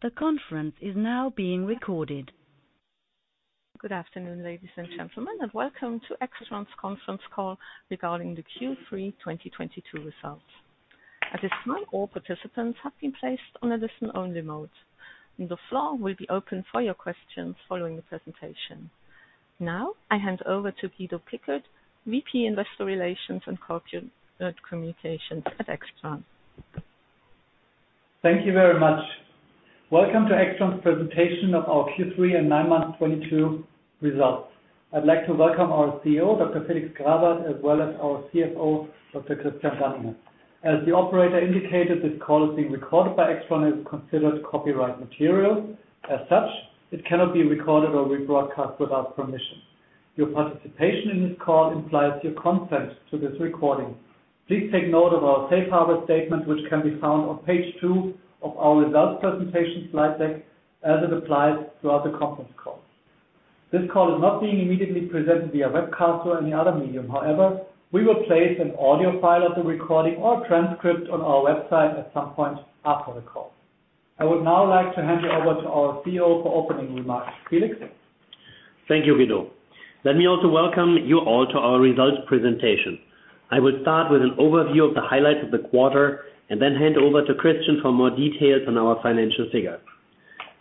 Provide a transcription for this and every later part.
The conference is now being recorded. Good afternoon, ladies and gentlemen, and welcome to AIXTRON's conference call regarding the Q3 2022 results. At this time, all participants have been placed on a listen-only mode, and the floor will be open for your questions following the presentation. Now I hand over to Guido Pickert, VP, Investor Relations and Corporate Communications at AIXTRON. Thank you very much. Welcome to AIXTRON's presentation of our Q3 and nine-month 2022 results. I'd like to welcome our CEO, Dr. Felix Grawert, as well as our CFO, Dr. Christian Danninger. As the operator indicated, this call is being recorded by AIXTRON and is considered copyright material. As such, it cannot be recorded or rebroadcast without permission. Your participation in this call implies your consent to this recording. Please take note of our safe harbor statement, which can be found on page 2 of our results presentation slide deck as it applies throughout the conference call. This call is not being immediately presented via webcast or any other medium. However, we will place an audio file of the recording or transcript on our website at some point after the call. I would now like to hand you over to our CEO for opening remarks. Felix. Thank you, Guido. Let me also welcome you all to our results presentation. I will start with an overview of the highlights of the quarter, and then hand over to Christian for more details on our financial figures.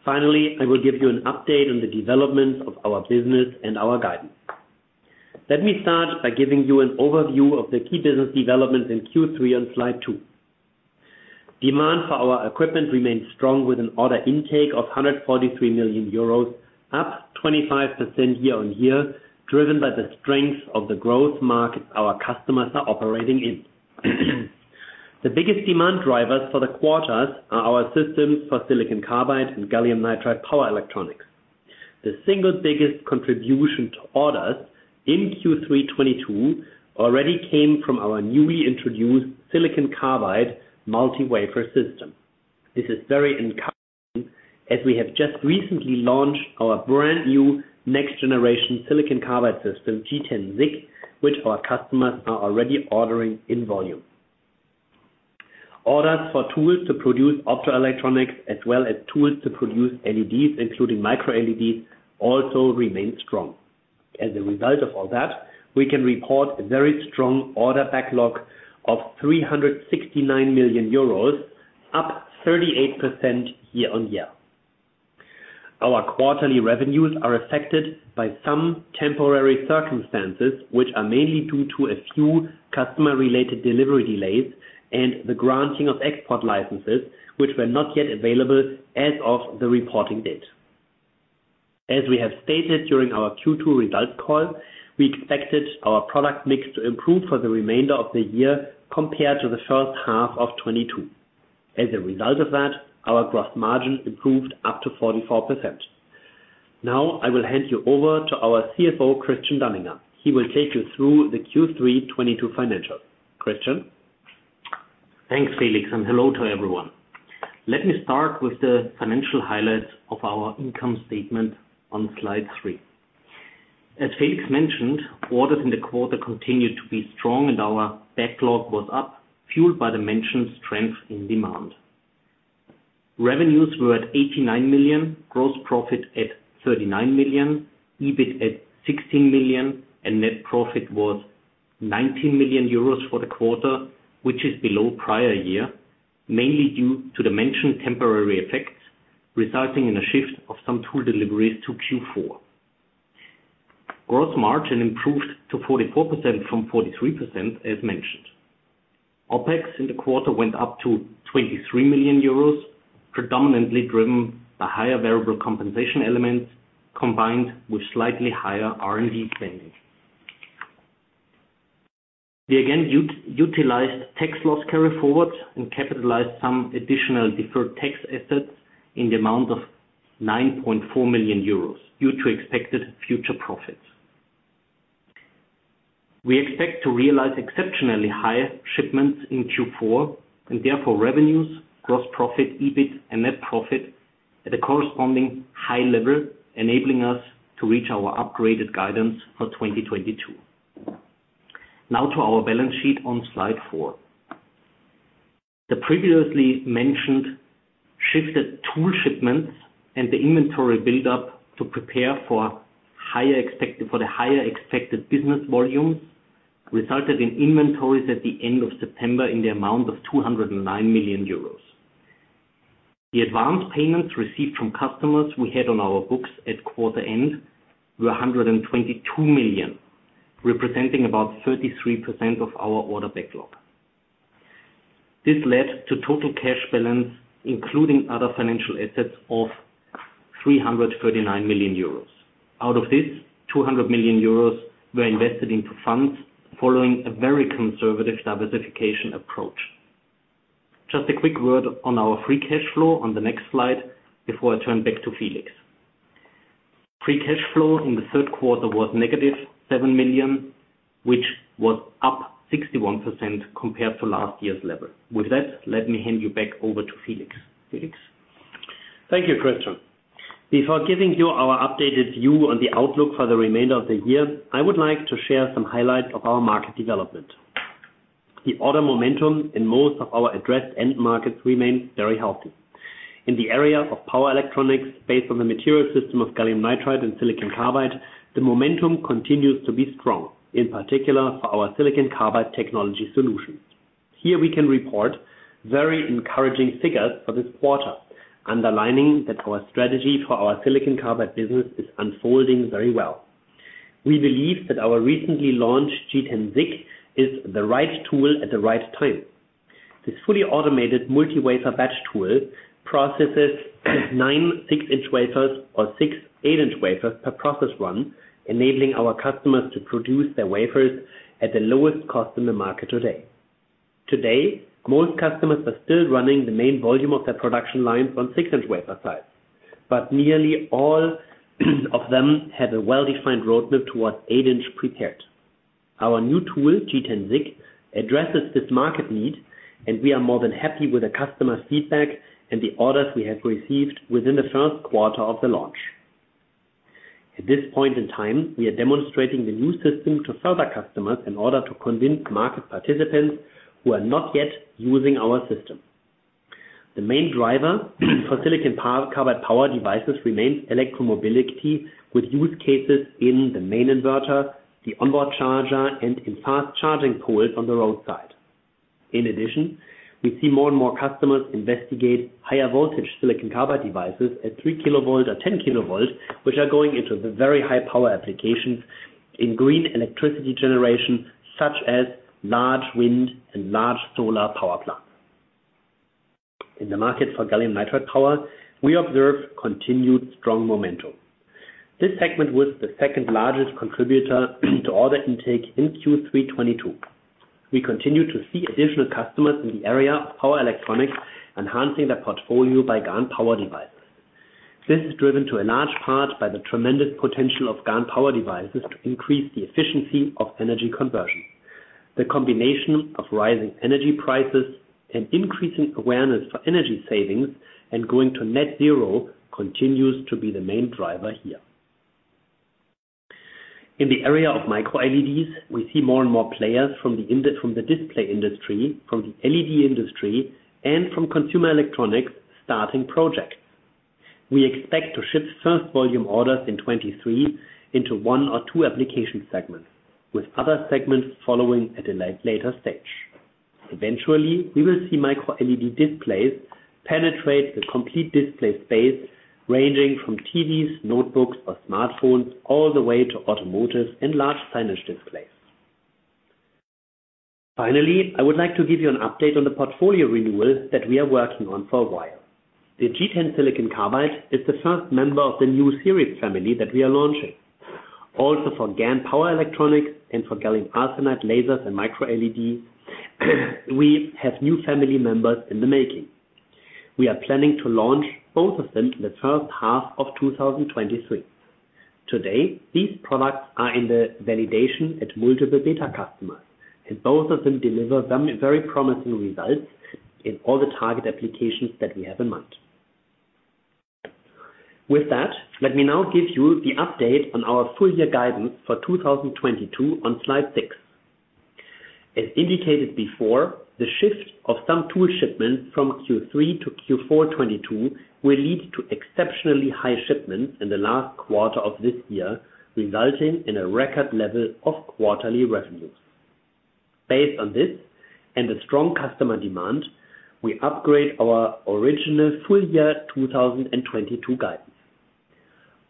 Finally, I will give you an update on the developments of our business and our guidance. Let me start by giving you an overview of the key business developments in Q3 on Slide two. Demand for our equipment remained strong with an order intake of 143 million euros, up 25% year-on-year, driven by the strength of the growth markets our customers are operating in. The biggest demand drivers for the quarter are our systems for silicon carbide and gallium nitride power electronics. The single biggest contribution to orders in Q3 2022 already came from our newly introduced silicon carbide multi-wafer system. This is very encouraging as we have just recently launched our brand new next generation silicon carbide system, G10-SiC, which our customers are already ordering in volume. Orders for tools to produce optoelectronics as well as tools to produce LEDs, including micro LEDs, also remain strong. As a result of all that, we can report a very strong order backlog of 369 million euros, up 38% year-on-year. Our quarterly revenues are affected by some temporary circumstances, which are mainly due to a few customer-related delivery delays and the granting of export licenses, which were not yet available as of the reporting date. As we have stated during our Q2 results call, we expected our product mix to improve for the remainder of the year compared to the first half of 2022. As a result of that, our gross margin improved up to 44%. Now I will hand you over to our CFO, Christian Danninger. He will take you through the Q3 2022 financials. Christian. Thanks, Felix, and hello to everyone. Let me start with the financial highlights of our income statement on Slide three. As Felix mentioned, orders in the quarter continued to be strong and our backlog was up, fueled by the mentioned strength in demand. Revenues were at 89 million, gross profit at 39 million, EBIT at 16 million, and net profit was 19 million euros for the quarter, which is below prior year, mainly due to the mentioned temporary effects, resulting in a shift of some tool deliveries to Q4. Gross margin improved to 44% from 43%, as mentioned. OpEx in the quarter went up to 23 million euros, predominantly driven by higher variable compensation elements combined with slightly higher R&D spending. We again utilized tax loss carry-forwards and capitalized some additional deferred tax assets in the amount of 9.4 million euros due to expected future profits. We expect to realize exceptionally higher shipments in Q4 and therefore revenues, gross profit, EBIT and net profit at a corresponding high level, enabling us to reach our upgraded guidance for 2022. Now to our balance sheet on Slide four. The previously mentioned shifted tool shipments and the inventory build-up to prepare for the higher expected business volumes resulted in inventories at the end of September in the amount of 209 million euros. The advanced payments received from customers we had on our books at quarter end were 122 million, representing about 33% of our order backlog. This led to total cash balance, including other financial assets, of 339 million euros. Out of this, 200 million euros were invested into funds following a very conservative diversification approach. Just a quick word on our free cash flow on the next slide before I turn back to Felix. Free Cash Flow in the third quarter was negative 7 million, which was up 61% compared to last year's level. With that, let me hand you back over to Felix. Felix? Thank you, Christian. Before giving you our updated view on the outlook for the remainder of the year, I would like to share some highlights of our market development. The order momentum in most of our addressed end markets remains very healthy. In the area of power electronics based on the material system of Gallium Nitride and Silicon Carbide, the momentum continues to be strong, in particular for our Silicon Carbide technology solutions. Here we can report very encouraging figures for this quarter, underlining that our strategy for our Silicon Carbide business is unfolding very well. We believe that our recently launched G10-SiC is the right tool at the right time. This fully automated multi wafer batch tool processes 9 6-inch wafers or 6 8-inch wafers per process run, enabling our customers to produce their wafers at the lowest cost in the market today. Today, most customers are still running the main volume of their production lines on 6-inch wafer size. Nearly all of them have a well-defined roadmap towards 8-inch prepared. Our new tool, G10-SiC, addresses this market need and we are more than happy with the customer feedback and the orders we have received within the first quarter of the launch. At this point in time, we are demonstrating the new system to further customers in order to convince market participants who are not yet using our system. The main driver for silicon carbide power devices remains electromobility, with use cases in the main inverter, the onboard charger, and in fast charging pools on the roadside. In addition, we see more and more customers investigate higher voltage Silicon Carbide devices at 3 kilovolt or 10 kilovolt, which are going into the very high power applications in green electricity generation, such as large wind and large solar power plants. In the market for Gallium Nitride power, we observe continued strong momentum. This segment was the second-largest contributor to order intake in Q3 2022. We continue to see additional customers in the area of power electronics, enhancing their portfolio by GaN power devices. This is driven to a large part by the tremendous potential of GaN power devices to increase the efficiency of energy conversion. The combination of rising energy prices and increasing awareness for energy savings and going to net zero continues to be the main driver here. In the area of MicroLEDs, we see more and more players from the display industry, from the LED industry, and from consumer electronics starting projects. We expect to ship first volume orders in 2023 into one or two application segments, with other segments following later stage. Eventually, we will see MicroLED displays penetrate the complete display space ranging from TVs, notebooks or smartphones, all the way to automotive and large signage displays. Finally, I would like to give you an update on the portfolio renewal that we are working on for a while. The G10-SiC silicon carbide is the first member of the new series family that we are launching. Also for GaN power electronics and for gallium arsenide lasers and MicroLED, we have new family members in the making. We are planning to launch both of them in the first half of 2023. Today, these products are in the validation at multiple beta customers, and both of them deliver very promising results in all the target applications that we have in mind. With that, let me now give you the update on our full-year guidance for 2022 on Slide six. As indicated before, the shift of some tool shipments from Q3 to Q4 2022 will lead to exceptionally high shipments in the last quarter of this year, resulting in a record level of quarterly revenues. Based on this and the strong customer demand, we upgrade our original full-year 2022 guidance.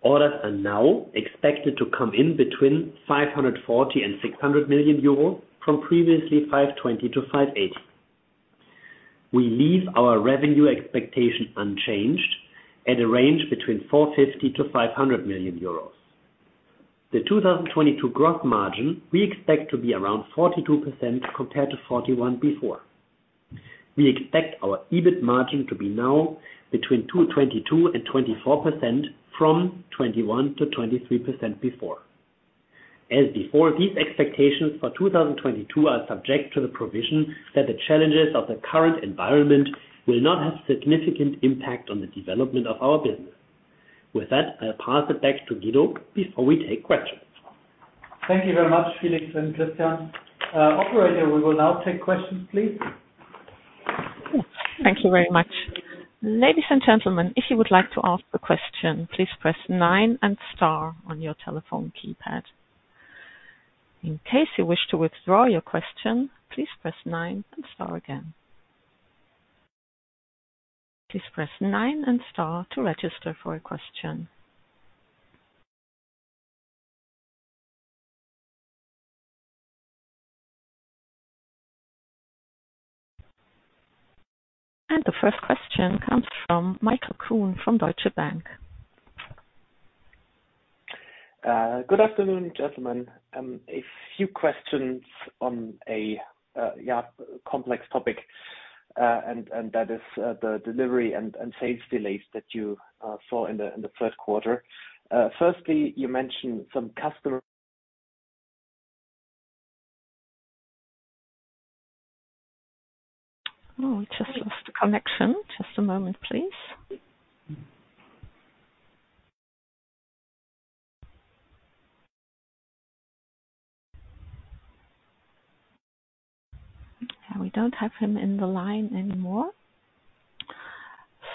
Orders are now expected to come in between 540 million and 600 million euro from previously 520 million to 580 million. We leave our revenue expectation unchanged at a range between 450 million-500 million euros. The 2022 gross margin we expect to be around 42% compared to 41% before. We expect our EBIT margin to be now between 22%-24% from 21%-23% before. As before, these expectations for 2022 are subject to the provision that the challenges of the current environment will not have significant impact on the development of our business. With that, I'll pass it back to Guido before we take questions. Thank you very much, Felix and Christian. Operator, we will now take questions, please. Thank you very much. Ladies and gentlemen, if you would like to ask a question, please press nine and star on your telephone keypad. In case you wish to withdraw your question, please press nine and star again. Please press nine and star to register for a question. The first question comes from Michael Kuhn from Deutsche Bank. Good afternoon, gentlemen. A few questions on a complex topic, and that is the delivery and sales delays that you saw in the first quarter. Firstly, you mentioned some customer- Oh, we just lost the connection. Just a moment, please. We don't have him in the line anymore.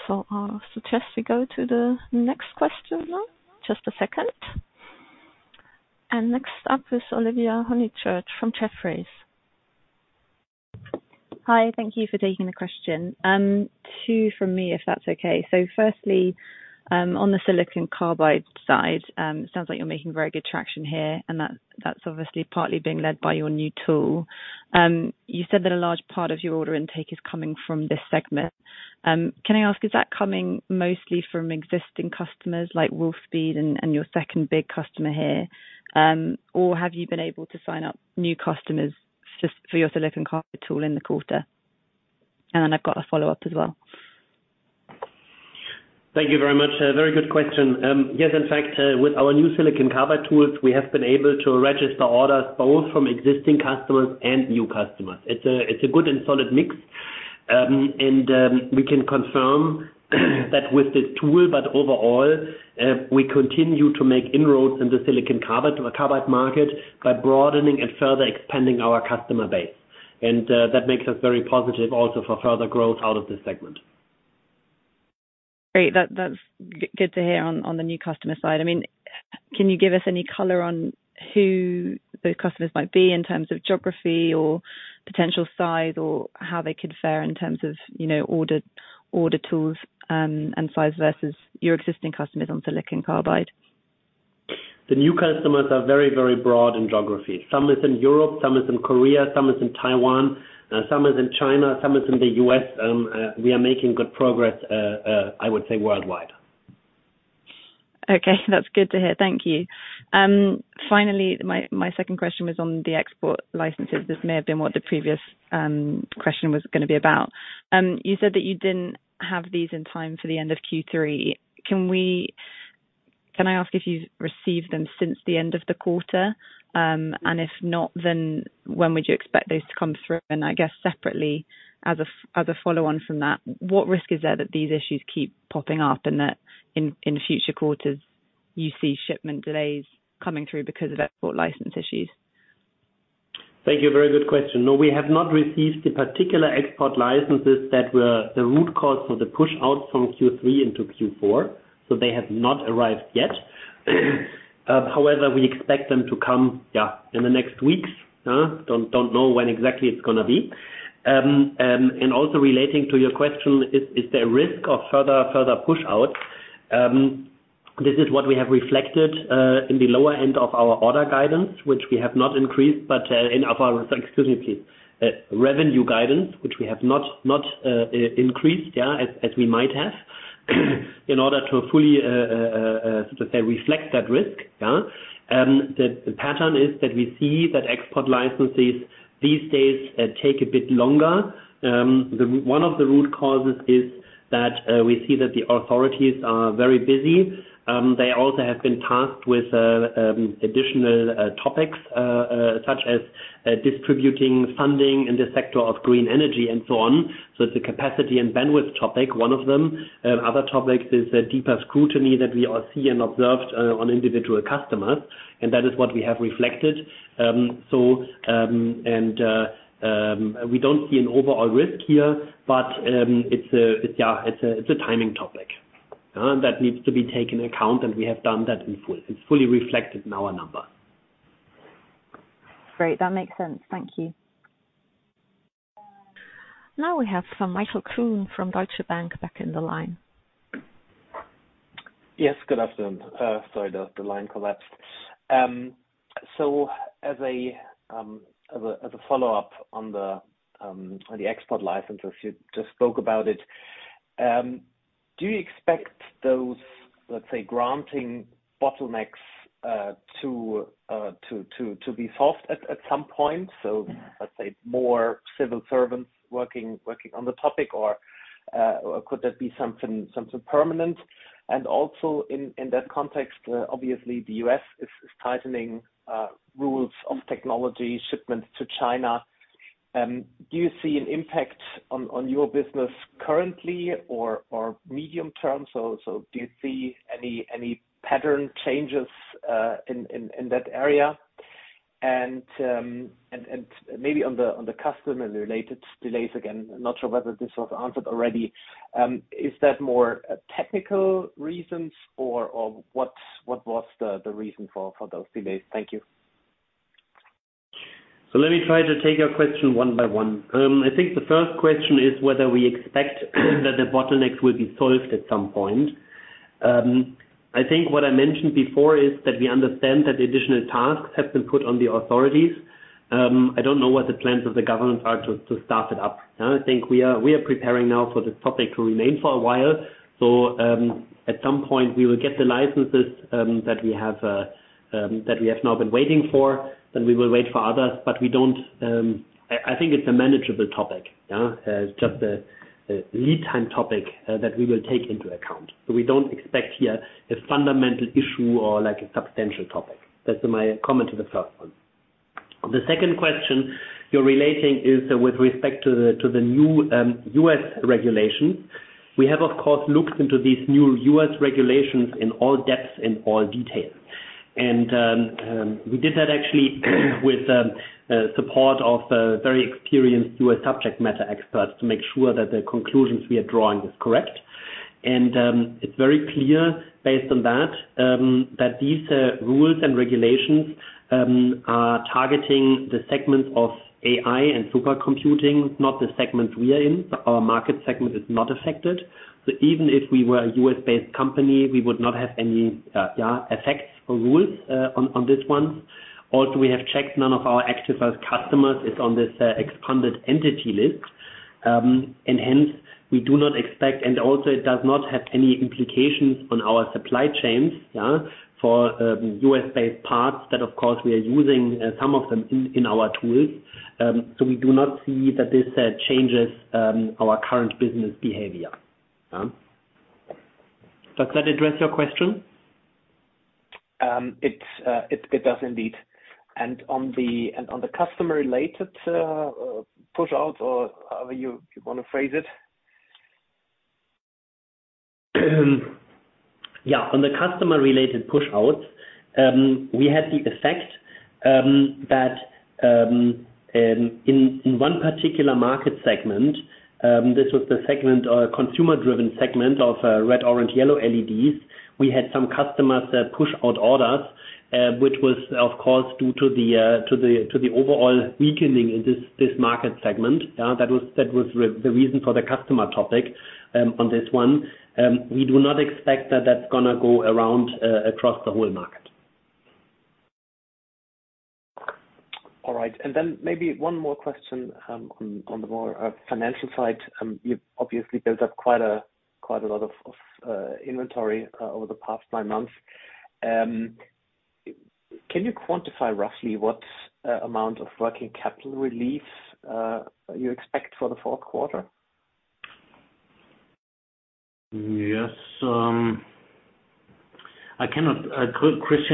I'll suggest we go to the next question now. Just a second. Next up is Olivia Honychurch from Jefferies. Hi. Thank you for taking the question. Two from me, if that's okay. Firstly, on the Silicon Carbide side, it sounds like you're making very good traction here, and that's obviously partly being led by your new tool. You said that a large part of your order intake is coming from this segment. Can I ask, is that coming mostly from existing customers like Wolfspeed and your second big customer here? Or have you been able to sign up new customers just for your Silicon Carbide tool in the quarter? I've got a follow-up as well. Thank you very much. A very good question. Yes. In fact, with our new silicon carbide tools, we have been able to register orders both from existing customers and new customers. It's a good and solid mix. We can confirm that with this tool. But overall, we continue to make inroads in the silicon carbide market by broadening and further expanding our customer base. That makes us very positive also for further growth out of this segment. Great. That's good to hear on the new customer side. I mean, can you give us any color on who those customers might be in terms of geography or potential size or how they could fare in terms of, you know, order tools, and size versus your existing customers on silicon carbide? The new customers are very, very broad in geography. Some is in Europe, some is in Korea, some is in Taiwan, some is in China, some is in the U.S. We are making good progress. I would say worldwide. Okay, that's good to hear. Thank you. Finally, my second question was on the export licenses. This may have been what the previous question was gonna be about. You said that you didn't have these in time for the end of Q3. Can I ask if you received them since the end of the quarter? And if not, then when would you expect those to come through? I guess separately as a follow on from that, what risk is there that these issues keep popping up and that in future quarters you see shipment delays coming through because of export license issues? Thank you. Very good question. No, we have not received the particular export licenses that were the root cause for the push out from Q3 into Q4. They have not arrived yet. However, we expect them to come, yeah, in the next weeks. Don't know when exactly it's gonna be. Also relating to your question, is there risk of further push out? Excuse me, please. This is what we have reflected in the lower end of our order guidance, which we have not increased, but in our revenue guidance, which we have not increased, yeah, as we might have, in order to fully sort of say, reflect that risk. Yeah. The pattern is that we see that export licenses these days take a bit longer. One of the root causes is that we see that the authorities are very busy. They also have been tasked with additional topics such as distributing funding in the sector of green energy and so on. It's a capacity and bandwidth topic, one of them. Other topics is a deeper scrutiny that we all see and observed on individual customers, and that is what we have reflected. We don't see an overall risk here, but it's a timing topic that needs to be taken into account, and we have done that in full. It's fully reflected in our numbers. Great. That makes sense. Thank you. Now we have, Michael Kuhn from Deutsche Bank back in the line. Yes, good afternoon. Sorry, the line collapsed. As a follow-up on the export license you just spoke about it. Do you expect those, let's say, granting bottlenecks to be solved at some point? Let's say more civil servants working on the topic? Could that be something permanent? In that context, obviously the U.S. is tightening rules of technology shipments to China. Do you see an impact on your business currently or medium term? Do you see any pattern changes in that area? Maybe on the customs and related delays, again, I'm not sure whether this was answered already. Is that more technical reasons or what was the reason for those delays? Thank you. Let me try to take your question one by one. I think the first question is whether we expect that the bottlenecks will be solved at some point. I think what I mentioned before is that we understand that additional tasks have been put on the authorities. I don't know what the plans of the government are to start it up. I think we are preparing now for the topic to remain for a while. At some point we will get the licenses that we have now been waiting for. We will wait for others. I think it's a manageable topic. It's just a lead time topic that we will take into account. We don't expect here a fundamental issue or like a substantial topic. That's my comment to the first one. The second question you're relating is with respect to the new U.S. regulation. We have, of course, looked into these new U.S. regulations in all depths and all detail. We did that actually with support of a very experienced U.S. subject matter experts to make sure that the conclusions we are drawing is correct. It's very clear based on that that these rules and regulations are targeting the segments of AI and supercomputing, not the segment we are in. Our market segment is not affected. Even if we were a U.S.-based company, we would not have any effects or rules on this one. Also, we have checked none of our active customers is on this expanded entity list. Hence, we do not expect, and also it does not have any implications on our supply chains, yeah, for U.S.-based parts that of course we are using some of them in our tools. We do not see that this changes our current business behavior. Does that address your question? It does indeed. On the customer related push out or however you wanna phrase it. Yeah. On the customer related push-outs, we had the effect that in one particular market segment, this was the segment or consumer driven segment of red, orange, yellow LEDs. We had some customers that push out orders, which was of course due to the overall weakening in this market segment, yeah. That was the reason for the customer topic on this one. We do not expect that that's gonna go around across the whole market. All right. Maybe one more question on the more financial side. You've obviously built up quite a lot of inventory over the past nine months. Can you quantify roughly what amount of working capital relief you expect for the fourth quarter? Yes. Good question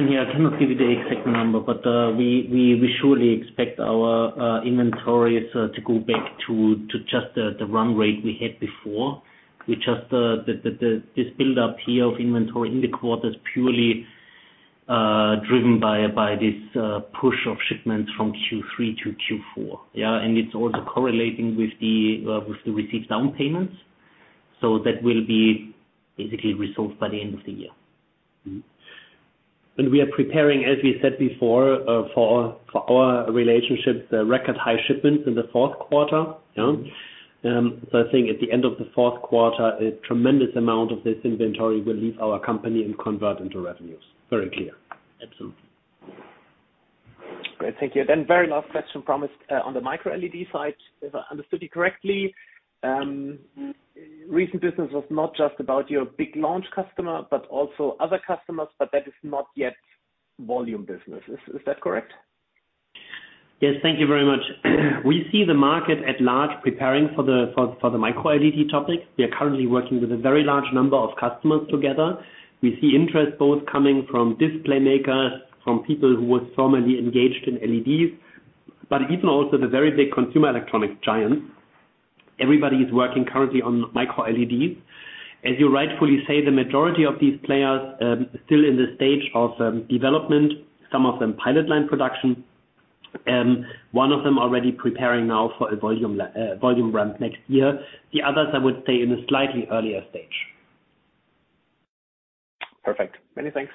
here. I cannot give you the exact number, but we surely expect our inventories to go back to just the run rate we had before, which is this buildup here of inventory in the quarter is purely driven by this push of shipments from Q3 to Q4. It's also correlating with the received down payments. That will be basically resolved by the end of the year. We are preparing, as we said before, for our relationships, the record high shipments in the fourth quarter. I think at the end of the fourth quarter, a tremendous amount of this inventory will leave our company and convert into revenues. Very clear. Absolutely. Great. Thank you. Very last question promised on the MicroLED side. If I understood you correctly, recent business was not just about your big launch customer, but also other customers, but that is not yet volume business. Is that correct? Yes. Thank you very much. We see the market at large preparing for the MicroLED topic. We are currently working with a very large number of customers together. We see interest both coming from display makers, from people who were formerly engaged in LEDs, but even also the very big consumer electronic giants. Everybody is working currently on MicroLEDs. As you rightfully say, the majority of these players still in the stage of development. Some of them pilot line production, one of them already preparing now for a volume ramp next year. The others I would say in a slightly earlier stage. Perfect. Many thanks.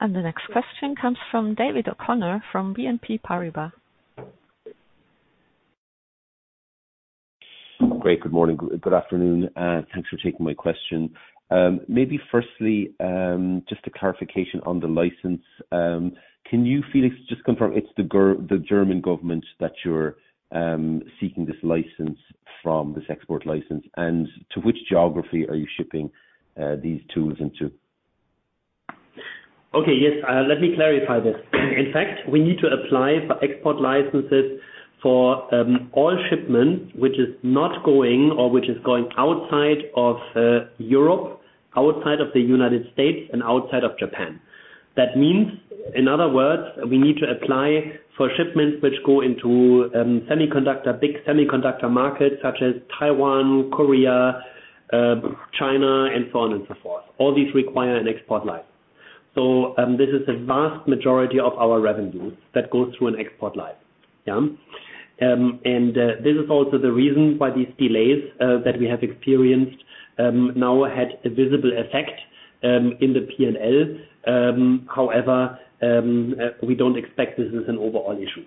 The next question comes from David O'Connor from BNP Paribas. Great, good morning. Good afternoon, and thanks for taking my question. Maybe firstly, just a clarification on the license. Can you, Felix, just confirm it's the German government that you're seeking this license from, this export license, and to which geography are you shipping these tools into? Okay. Yes. Let me clarify this. In fact, we need to apply for export licenses for all shipments which are going outside of Europe, outside of the United States and outside of Japan. That means, in other words, we need to apply for shipments which go into big semiconductor markets such as Taiwan, Korea, China, and so on and so forth. All these require an export license. This is a vast majority of our revenues that goes through an export license. Yeah. This is also the reason why these delays that we have experienced now had a visible effect in the P&L. However, we don't expect this as an overall issue.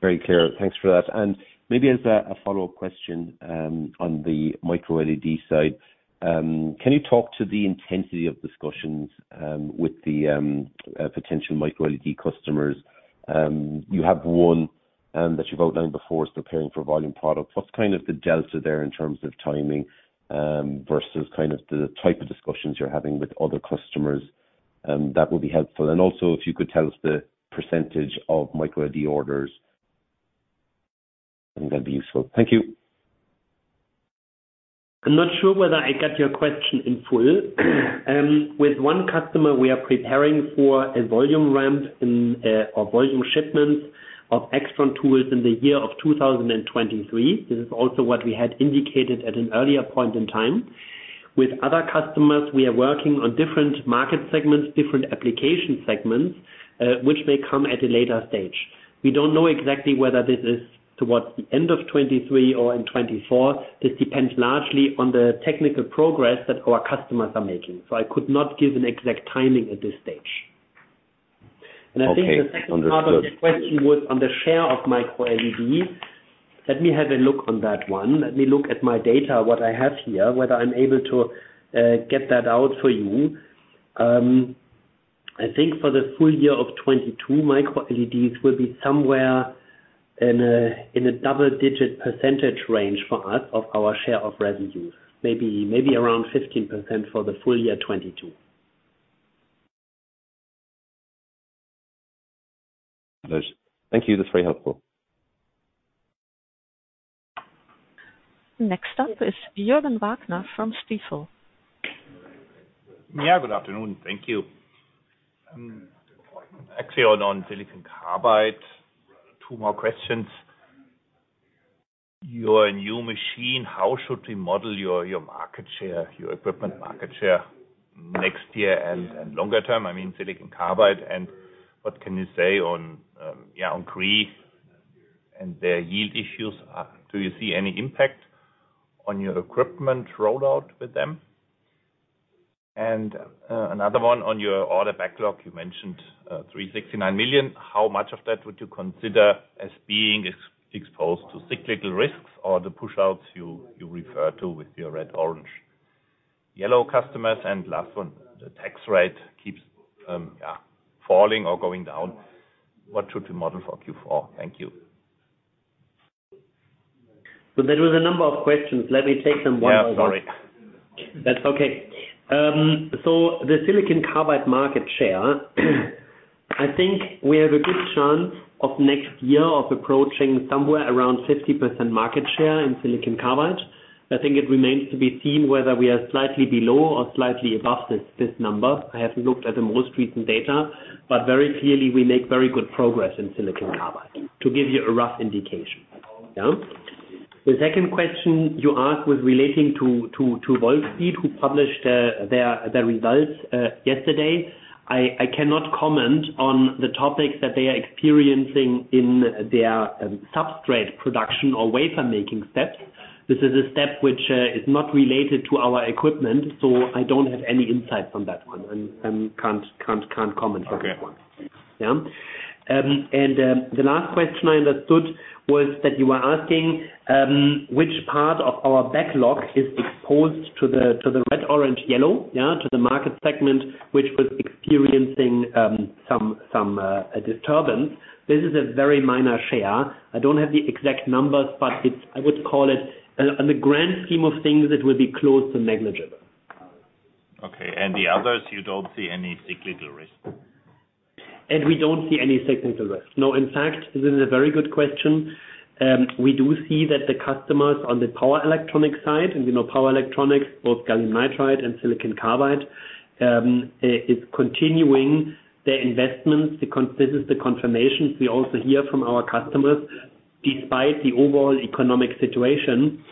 Very clear. Thanks for that. Maybe as a follow-up question, on the MicroLED side, can you talk to the intensity of discussions with the potential MicroLED customers? You have one that you've outlined before is preparing for volume product. What's kind of the delta there in terms of timing versus kind of the type of discussions you're having with other customers? That would be helpful. Also if you could tell us the percentage of MicroLED orders, I think that'd be useful. Thank you. I'm not sure whether I got your question in full. With one customer, we are preparing for a volume ramp or volume shipments of AIXTRON tools in the year of 2023. This is also what we had indicated at an earlier point in time. With other customers, we are working on different market segments, different application segments, which may come at a later stage. We don't know exactly whether this is towards the end of 2023 or in 2024. This depends largely on the technical progress that our customers are making. I could not give an exact timing at this stage. Okay. Understood. I think the second part of the question was on the share of MicroLED. Let me have a look on that one. Let me look at my data, what I have here, whether I'm able to get that out for you. I think for the full year of 2022 MicroLEDs will be somewhere in a double-digit percentage range for us of our share of revenues. Maybe around 15% for the full year 2022. Thank you. That's very helpful. Next up is Jürgen Wagner from Stifel. Good afternoon. Thank you. Actually, on silicon carbide, two more questions. Your new machine, how should we model your market share, your equipment market share next year and longer term, I mean, silicon carbide? What can you say on Wolfspeed and their yield issues? Do you see any impact on your equipment rollout with them? Another one on your order backlog. You mentioned 369 million. How much of that would you consider as being exposed to cyclical risks or the pushouts you refer to with your red, orange, yellow customers, and last one, the tax rate keeps falling or going down. What should we model for Q4? Thank you. There was a number of questions. Let me take them one by one. Yeah, sorry. That's okay. So the Silicon Carbide market share, I think we have a good chance of next year of approaching somewhere around 50% market share in Silicon Carbide. I think it remains to be seen whether we are slightly below or slightly above this number. I haven't looked at the most recent data, but very clearly, we make very good progress in Silicon Carbide to give you a rough indication. Yeah. The second question you asked was relating to Wolfspeed, who published their results yesterday. I cannot comment on the topics that they are experiencing in their substrate production or wafer-making steps. This is a step which is not related to our equipment, so I don't have any insight on that one and can't comment on that one. Okay. Yeah. The last question I understood was that you were asking which part of our backlog is exposed to the red, orange, yellow, yeah, to the market segment, which was experiencing some disturbance. This is a very minor share. I don't have the exact numbers, but it's. I would call it on the grand scheme of things, it would be close to negligible. Okay. The others, you don't see any cyclical risk? We don't see any cyclical risk. No, in fact, this is a very good question. We do see that the customers on the power electronic side, and we know power electronics, both gallium nitride and silicon carbide, is continuing their investments. This is the confirmations we also hear from our customers, despite the overall economic situation,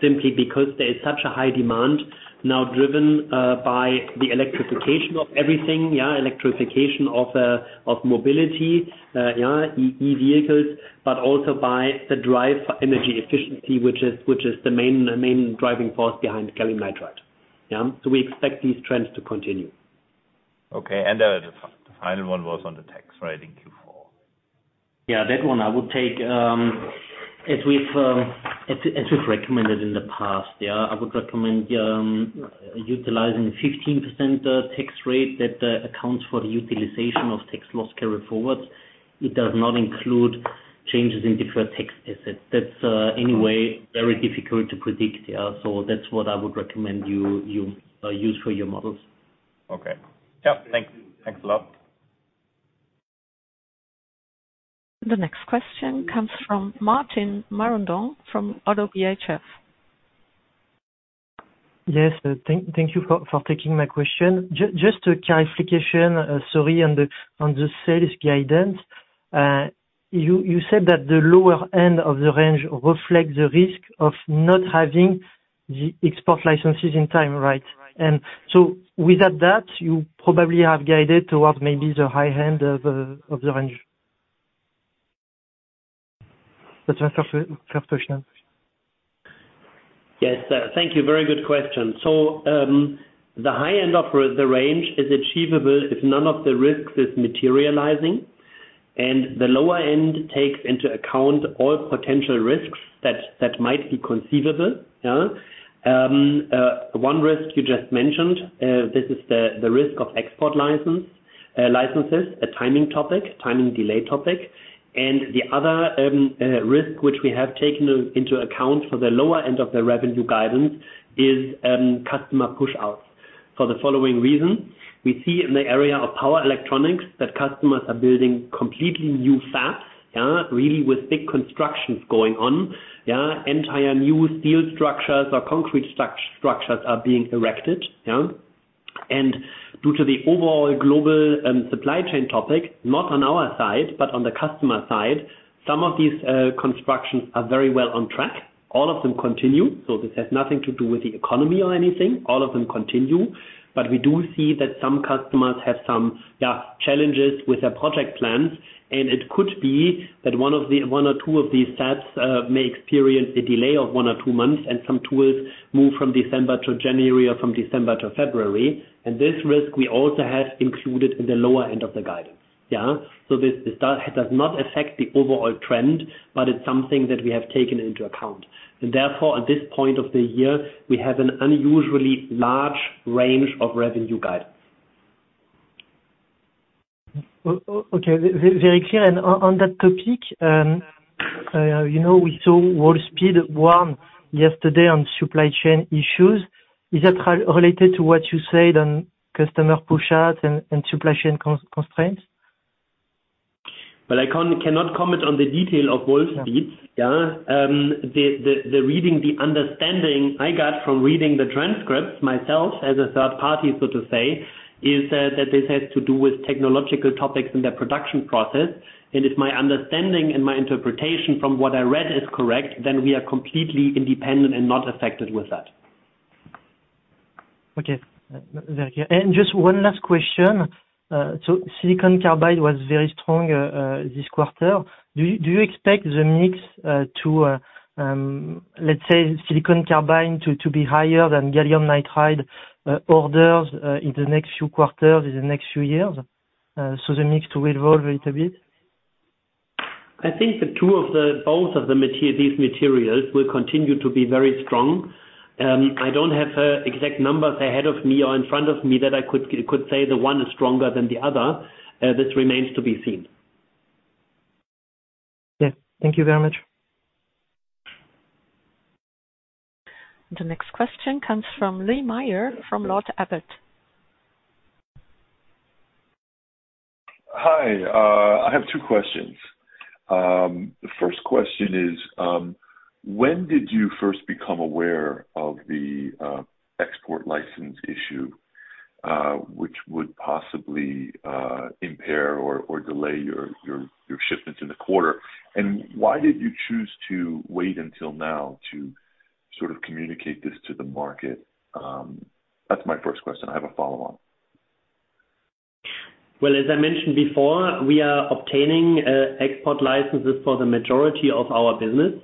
simply because there is such a high demand now driven by the electrification of everything. Yeah, electrification of mobility, yeah, electric vehicles, but also by the drive for energy efficiency, which is the main driving force behind gallium nitride. Yeah. We expect these trends to continue. Okay. The final one was on the tax rate in Q4. Yeah, that one I would take, as we've recommended in the past, yeah. I would recommend utilizing 15% tax rate that accounts for the utilization of tax loss carry forwards. It does not include changes in deferred tax assets. That's anyway very difficult to predict. Yeah. That's what I would recommend you use for your models. Okay. Yeah. Thanks. Thanks a lot. The next question comes from Martin Marandon-Carlhian from Oddo BHF. Yes. Thank you for taking my question. Just a clarification, sorry, on the sales guidance. You said that the lower end of the range reflects the risk of not having the export licenses in time, right? Without that, you probably have guided towards maybe the high end of the range. That's my first question. Yes. Thank you. Very good question. The high end of the range is achievable if none of the risks is materializing, and the lower end takes into account all potential risks that might be conceivable. Yeah. One risk you just mentioned, this is the risk of export licenses, a timing topic, timing delay topic. The other risk which we have taken into account for the lower end of the revenue guidance is customer pushouts. For the following reason, we see in the area of power electronics that customers are building completely new fabs, yeah, really with big constructions going on. Yeah, entire new steel structures or concrete structures are being erected, yeah. Due to the overall global supply chain topic, not on our side, but on the customer side, some of these constructions are very well on track. All of them continue, so this has nothing to do with the economy or anything. All of them continue. We do see that some customers have some challenges with their project plans, and it could be that one or two of these fabs may experience a delay of one or two months, and some tools move from December to January or from December to February. This risk we also have included in the lower end of the guidance. This does not affect the overall trend, but it's something that we have taken into account. Therefore, at this point of the year, we have an unusually large range of revenue guidance. Okay. Very clear. On that topic, you know, we saw Wolfspeed warn yesterday on supply chain issues. Is that related to what you said on customer push-out and supply chain constraints? Well, I cannot comment on the detail of Wolfspeed. Yeah. Yeah. The reading, the understanding I got from reading the transcripts myself as a third party, so to say, is that this has to do with technological topics in their production process. If my understanding and my interpretation from what I read is correct, then we are completely independent and not affected with that. Okay. Very clear. Just one last question. Silicon Carbide was very strong this quarter. Do you expect the mix to, let's say, Silicon Carbide to be higher than Gallium Nitride orders in the next few quarters, in the next few years? The mix to evolve a little bit? I think both of these materials will continue to be very strong. I don't have exact numbers ahead of me or in front of me that I could say the one is stronger than the other. This remains to be seen. Yeah. Thank you very much. The next question comes from Lee Meyer from Lord Abbett. Hi. I have two questions. The first question is, when did you first become aware of the export license issue, which would possibly impair or delay your shipments in the quarter? Why did you choose to wait until now to sort of communicate this to the market? That's my first question. I have a follow on. Well, as I mentioned before, we are obtaining export licenses for the majority of our business.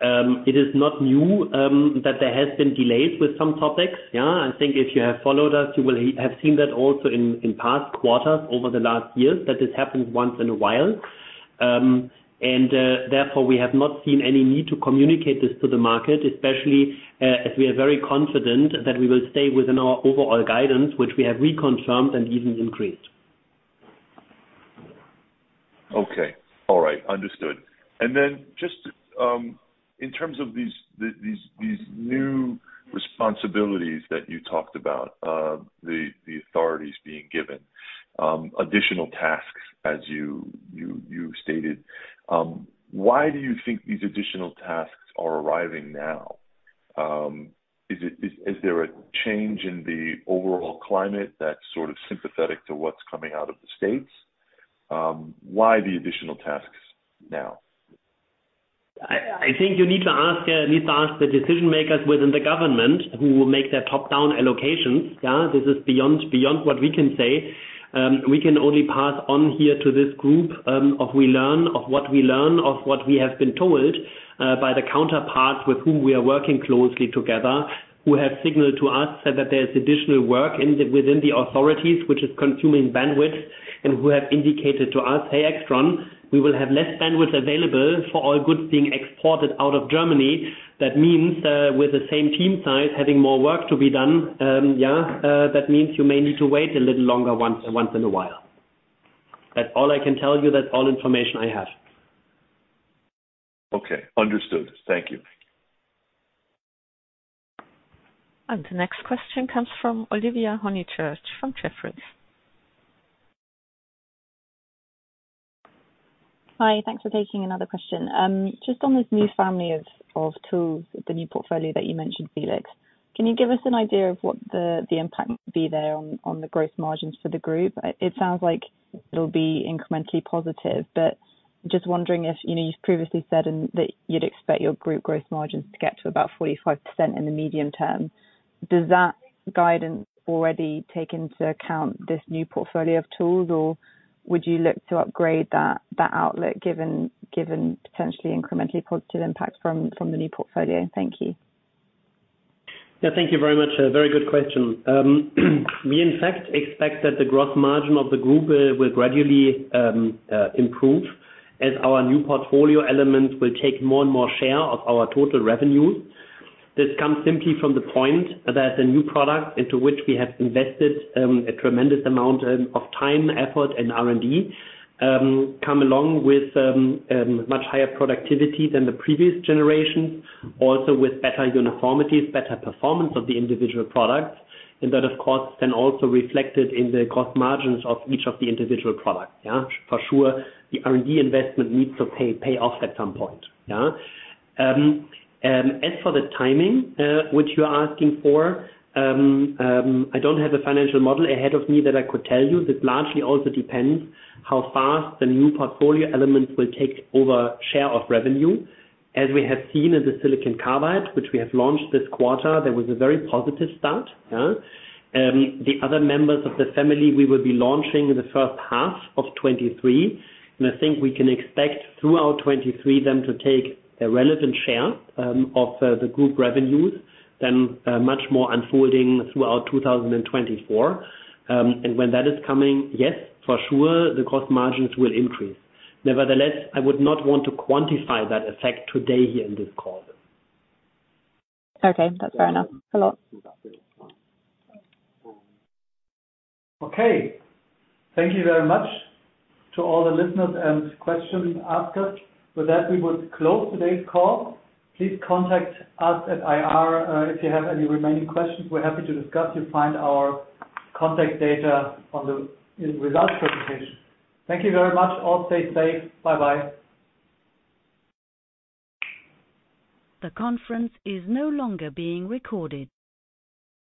It is not new that there has been delays with some topics. Yeah. I think if you have followed us, you will have seen that also in past quarters over the last years, that this happens once in a while. Therefore, we have not seen any need to communicate this to the market, especially as we are very confident that we will stay within our overall guidance, which we have reconfirmed and even increased. Okay. All right. Understood. Then just in terms of these new responsibilities that you talked about, the authorities being given additional tasks as you stated, why do you think these additional tasks are arriving now? Is there a change in the overall climate that's sort of sympathetic to what's coming out of the States? Why the additional tasks now? I think you need to ask the decision-makers within the government who will make their top-down allocations. Yeah. This is beyond what we can say. We can only pass on here to this group of what we have been told by the counterparts with whom we are working closely together, who have signaled to us that there is additional work within the authorities which is consuming bandwidth and who have indicated to us, "Hey, AIXTRON, we will have less bandwidth available for all goods being exported out of Germany." That means, with the same team size, having more work to be done, yeah, that means you may need to wait a little longer once in a while. That's all I can tell you. That's all information I have. Okay. Understood. Thank you. The next question comes from Olivia Honychurch from Jefferies. Hi. Thanks for taking another question. Just on this new family of tools, the new portfolio that you mentioned, Felix, can you give us an idea of what the impact would be there on the gross margins for the group? It sounds like it'll be incrementally positive, but just wondering if, you know, you've previously said and that you'd expect your group gross margins to get to about 45% in the medium term. Does that guidance already take into account this new portfolio of tools, or would you look to upgrade that outlook given potentially incrementally positive impacts from the new portfolio? Thank you. Yeah. Thank you very much. A very good question. We in fact expect that the growth margin of the group will gradually improve as our new portfolio elements will take more and more share of our total revenues. This comes simply from the point that the new product into which we have invested a tremendous amount of time, effort, and R&D come along with much higher productivity than the previous generation, also with better uniformities, better performance of the individual products. That, of course, then also reflected in the cost margins of each of the individual products. Yeah. For sure, the R&D investment needs to pay off at some point. Yeah. As for the timing, which you're asking for, I don't have a financial model ahead of me that I could tell you. This largely also depends how fast the new portfolio elements will take over share of revenue. As we have seen in the silicon carbide, which we have launched this quarter, there was a very positive start. The other members of the family we will be launching in the first half of 2023. I think we can expect throughout 2023 them to take a relevant share of the group revenues, then much more unfolding throughout 2024. When that is coming, yes, for sure the cost margins will increase. Nevertheless, I would not want to quantify that effect today here in this call. Okay. That's fair enough. A lot. Okay. Thank you very much to all the listeners and questions asked us. With that, we would close today's call. Please contact us at IR if you have any remaining questions. We're happy to discuss. You'll find our contact data in results presentation. Thank you very much. All stay safe. Bye-bye. The conference is no longer being recorded.